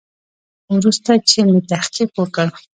وروسته چې مې تحقیق وکړ.